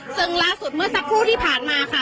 ซึ่งล่าสุดเมื่อสักครู่ที่ผ่านมาค่ะ